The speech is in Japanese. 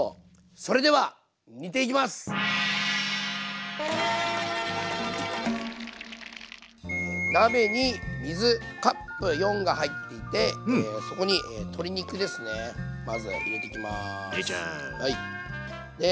それでは鍋に水カップ４が入っていてそこに鶏肉ですねまず入れていきます。